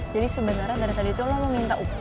jadi sebenernya dari tadi lo minta upah